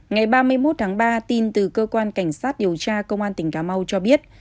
ngày ba mươi một tháng ba tin từ cơ quan cảnh sát điều tra công an tỉnh cà mau cho biết